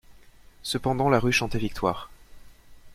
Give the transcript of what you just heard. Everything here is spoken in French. Cependant la rue chantait victoire.